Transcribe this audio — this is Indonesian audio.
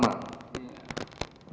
jadi saya sudah selesai saya sudah selesai